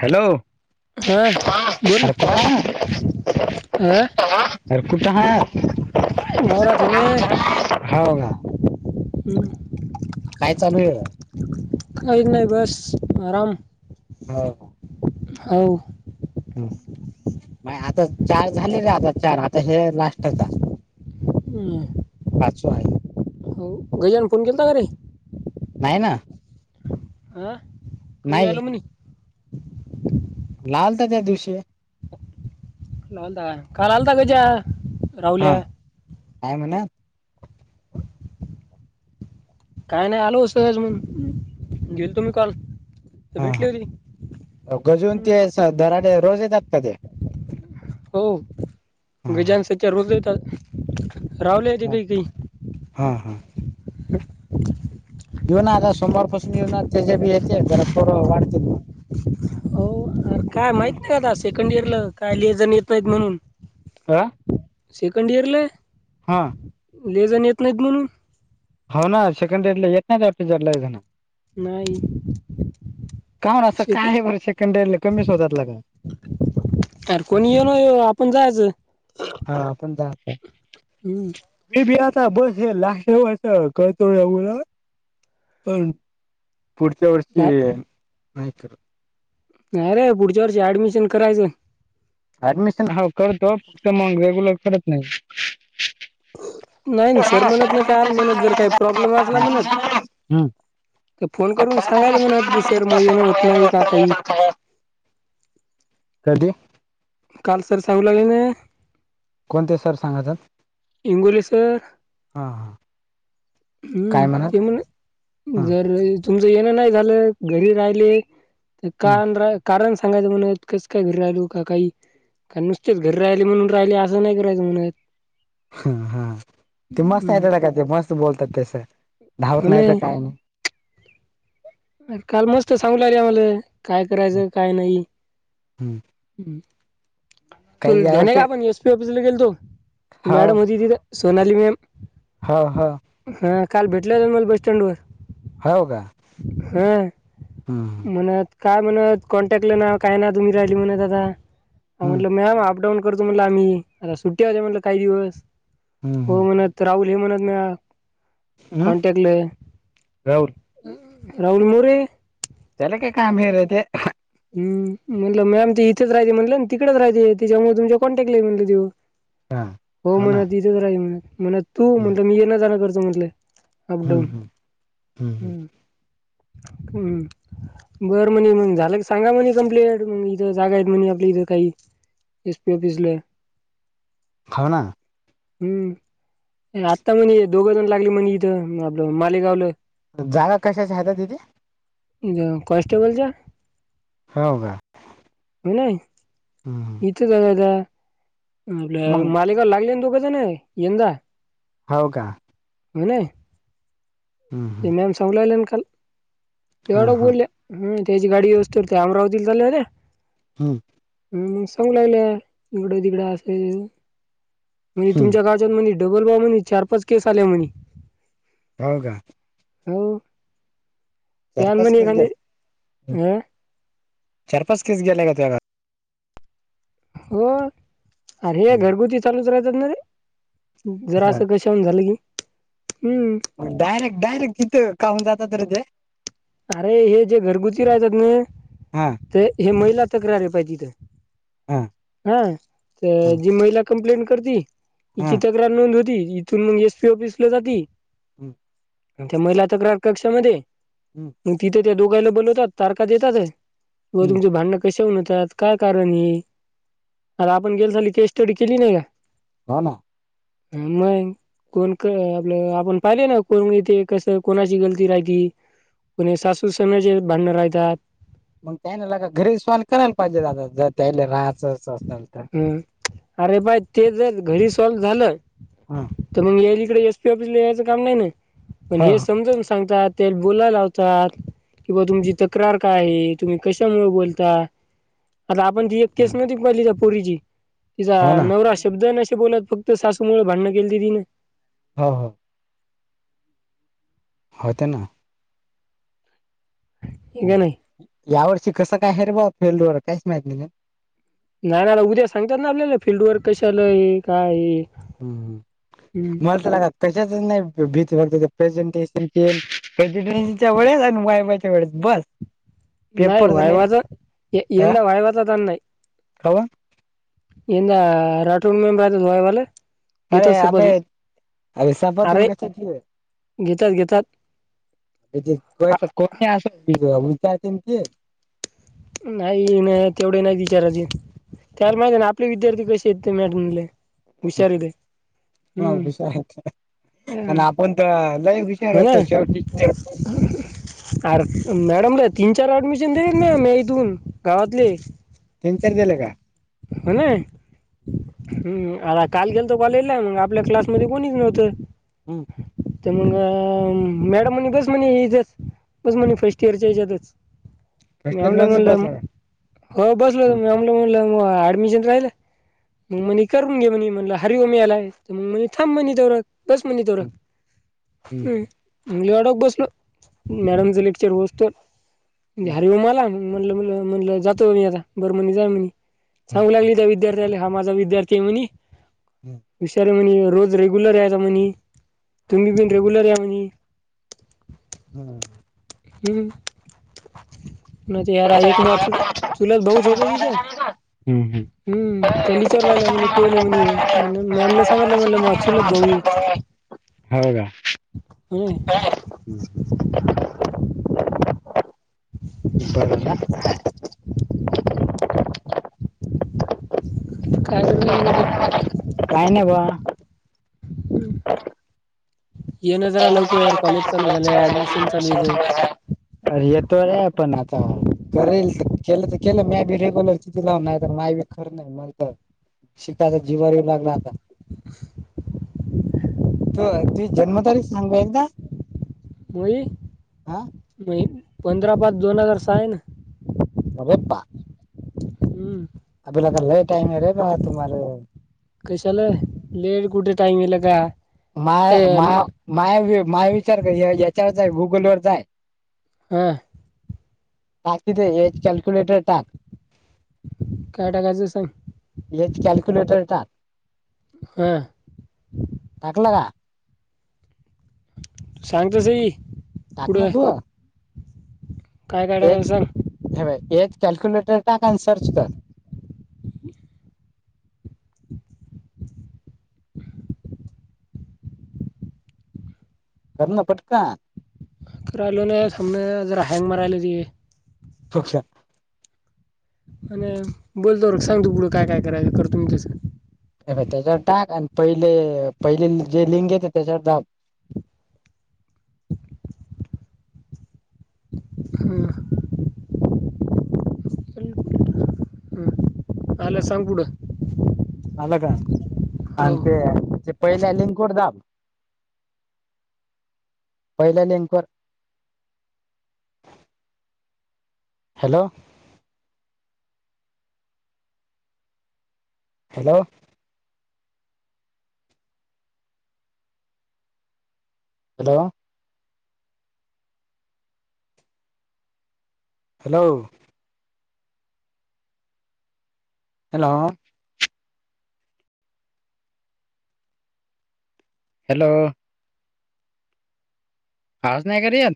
Hello हा बोल ना कोण अ अ कुठ ह होर अधने ह खायचा भेळ काहीच नाही बस आराम हो हो हो ह म आता चार झाले र आता चार आता हे लास्टचा हम् पाचव आहे हो घरीजन फोन केला घरी नाही ना अह कही नाही आलो मणे लाल तर त्या दिवशी लावलता का काल आलता हम्म. काच्या हा राहुल्या काय म्हणा काय नाही आलो होतच मण गेल तु मीही कॉल हा हा गजून हम्म. ते दराड रोज येतात का ते हो हा हा गजानसच्या रुजले होेतात रावले य ते हा काही काही हा हा [inaudible] [inaudible] [inaudible] [inaudible] [inaudible] [inaudible] [inaudible] [inaudible] [inaudible] [inaudible] [inaudible] [inaudible] [inaudible] [inaudible] [inaudible] [inaudible] [inaudible] [inaudible] येऊ ना आता सोमवारपसून येऊन तेच्या बी येते जरा पर वाढतील मग हो र काय हम्म. माहित नाही काता सेकंड इयर ल काय लिजण येतोय म्हणून ह सेकंड इयरला हा लेजण येत नाहीत म्हणून हो ना सेकंड ड येत नाहीारला ना नाही का म्ह ना असं सेकंड काय आहे बर सेकंड कमी शोधात ल का अर कोणी येऊन आपण जायचं हा पण जा हम्म मी बी आता बस हे लागव करतो ये पण पुढच्या वर्षी नाही नाही करत नाही रे पुढच्या वर्षी ऍडमिशन करायचं ऍडमिशन ह करतो फक्त मग रेग्युलर करत नाही नाही सर म्हणत ना काल म्हणत जर काही प्रॉब्लेम असला हम्म म्हणत फोन करून सांगायला म्हणत की सर मग येण होत नाही का काही कधी काल सर सांगू लागली ना? कोणते सर सांगतात? इंगोली सर. हा हा काय हम्म. म्हणत हा केल जर [unintelligible] तुमचं येण नाही झालं, घरी राहिले तर हा का रा कारण सांगायचं म्हणे इतकंच. का घरी राहिलो काही का नुसतेच घरी राहिले म्हणून राहिले असं नाही करायचं म्हणत ह हा ते मस्त हम्म नाही का ते मस्त बोलतात तेस धावत हो नाही तर काय नाही. अ काल मस्त सांगू राहील मला काय करायचं काय नाही. हम्म ह् तू काही ध्याने यावरचे का आपण एस पी ऑफिसला गेलतो हो मॅडम होती तिथ. सोनाली मॅम. हा हा. हा काल भेटले जान मल बस स्टँड वर. होव का? होय हम्म म्हणत. काय म्हणत कॉन्टॅक्टला ना काय ना तुम्ही राहिली म्हणत आता हम्म म्हटलं मॅम अपडाऊन करतो म्हणलं. आम्ही आता सुट्टी आल्या म्हणल काही दिवस, हम्म हो हम्म म्हणत राहुल हे म्हणत ना हम्म. राहुल राहुल मोरे. त्याला काय काम ह राय ते हम्म. म्हटलं मॅम ते इथेच राहते म्हटलं तिकडेच राहते. त्याच्यामुळे तुमच्या कॉनन्टॅक्टली म्हटलं तेव हा हो म्हणा तिथेच राही म्हण. म्हण तू हम्म म्हटलं मी येना जाण करतो म्हटलं. हम्म अपडाऊन हम्म हम्म. हम्म. बर म्हणे म्हण झालं सांगा म्हणे कंप्लीट. मग इथं जागा आहेत म्हणे आपल्या इथं काही. [unintelligible] भिजलं. हो ना. हम्म. आत्ता म्हणे ये दोघं जण लागले म्हण इथं आपलं मालेगावले जागा कशाच्या आहेत तिथे? कॉनस्टेबलच्या? हो का. [unintelligible] हम्म. इथेच आहे आता आपल्या मग मालेगावला लागले ना दोघ जण यंदा. हो का. [unintelligible] हा मॅम सांगून आल्या ना काल, एवढ्या हा बोल्या हं. त्याची गाडी व्यवस्थित अमरावतीला चालेना ते हम्म. हम्म. मग सांगू लागल्या इकडं तिकड असेल म्हणजे तुमच्या गा म्हणे डबल प्रॉब्लेम आहे म्हणे चार, पाच केस आल्या म्हणे. हो का. हो. चार याल पाच म्हणी केस एकांदी गेले चार, पाच केस गेले का त्या हो. अरे घरगुती चालूच राहतात ना रे जरा असं क छान झालं की, हम्म. डायरेक्ट डायरेक्ट तिथं काहून जातात रे ते? अरे हे जे घरगुती राहत्यात ना, हा ते हे महिला तक्रारी पाहिजे तिथं हा हा. जी महिला कंप्लेंट करती हा तिची नोंद होती इथून मग एसपी ऑफिसला जाती. हम्! त्या महिला तक्रार कक्षामध्ये हम्! मग तिथे त्या दोघीला बोलवतात तारखा देतातच हम्म तुमचे भांड कसे होन होतात काय कारण हे आता आपण गेल्या साली केस स्टडी केली नाही का. ह ना हम्म मग कोण आपलं आपण पाहिले ना कोण इथे कसं कोणाची गलती राहती. कोणी सासू सून जे भांडण राहत्यात. मग त्यान लग घरी सॉल्व करायला पाहिजे दादा जर त्या राहायचं असेल तर हम्म. अरे बाई ते ज घरी सॉल्व झालं हा. तर मग याल इकडे एस पी ऑफिसला यायचं काम नाही ना पण हो हे समजाून सांगतात त्या बोलायला लावतात कि बा तुमची तक्रार काय आहे तुम्ही कशामुळे बोलता आता आपण ती एक केस नव्हती पहि तिचा पुरीची तिचा हो ना नवरा शब्दे बोलत फक्त सासूमुळेळ भांडण केली तीने. हो हो. होते ना. हे का नाही. या वर्षी कसं काय हरवा फेल्ड वर काहीच माहती नाही. नाही नाला उद्या सांगतात ना आपल्याला फिल््डवरर कश आलंय काय. हम्म! हम्म मला तर लाग कशाच नाही भीती बघत प्रेझेंटेशन के प्रेझिटसीच्या वेळेस आणि वायबाच्या वेळेस बस. [inaudible] नाही वायवाच यंद वायवाचा जा नाही कावा. यंद राठोड मे बहता दुयवाला. अे अ अ सपत अरे साठी आहे. घेतात घेतात स कोणी विच के नाही नाही तेवढे नाही तिचाराचे त्याला माहित आहे ना आपले विद्यार्थी कसे आहेत ते मॅटले. हुषार आहे. ह हुशार आणि ह आपण तर लईव हुशार होतो शेवटी. मॅडम र तीन चार अऍडमिशन दिर नाही म ून गावातले. तीन चार दिले का? हो ना हम्म आ काल गेल तो कॉला आपल्या क्लासमध्येध्ये कोणी निघ न होत. तर मग मॅडम म्हणे बस म्हणे याच बस म्हणे फर्स्ट इयरच्या याच्यातच. हॉस्टेल मॅमला मध्येच बसला का हो बसलमला म्हणलंग ऍडमिशन राहिलं. मग मणे करून घे म्हणे म्हणलं हरव मळालाय तर मग म्हणे थब मणी दौ दस मनी थोर हम्म. हम्म मुंगली डक बसलो मॅडमच लेक्चर बसतो हर हो हम्म मला ना. म्हटलं म्ह म्हटलं जातो मी आता बर म्हणी जाय म्ह सांगू लागली त्या विद्यार्थ. ा माझा विद्यार्थी म्ह र. रेगुलर याता म्ह तम्ही बीन रेगुलर या मणी. हम्. हम्. नाहीार एक म चुलत बोच होत तथे हम् हम्. हम् त्या लिचावर लावल्या म्हणे कोण म्हणे ये म्हण मॅमला सांगितलं म्हणलं मग अचुलत भाऊ ये. हो का? अे. हम्म हम् बला काय करतु्ही बघी काय नाही बा हम्म लवकर कॉलेज क चालू कज झालंय ॲडमिशन चालू आहे इथे अशनले. अ येतो पण आता. करेल केलं तर केलं मी बी रेग्युलर किथती लावून नाही तर माय बी खरं नाही मला तर. शिकाय जीवारी येऊ लागला आता. [inaudible] त तुझ जन्मतारीख सांगू एकदा मई हा म पंधरा पाच दोन हजार सहा ना अरे बा हम्म अला का टाईम रे तुम्हाला कशा आलंला लेट कुठे टाईम येला का मा ए मा मा माय विचार याच्यावर जाय गुगल वर जाय हम टाक तिथे एच कॅल्क्युलेटर टाक काय टाकायचं सांग हेच कॅल्क्युलेटर येतात हां टाकलं का सांगत स टाक ना तु काय कायगल सर हे एक कॅल्क्युलेटरट अ सर्च कर करण पटका रयलोय समने जरा हँंग मारयला जे शक्ष आणि बोलतो र सांग तू पुढं काय काय करायचं कर तुमच्यास अ बा त्याच्यावर टाक आणि पहिले पहिले जे लिंग येते त्याच्यावर [unintelligible] हा ह आलं सांग पुडं आलं का आणि ते हो पहिल्या लिंकवरदाब पहिल्या लिंकरवर hello hello hello hello hello hello खास नाही करया